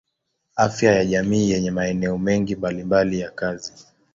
Afya ya jamii yenye maeneo mengi mbalimbali ya kazi.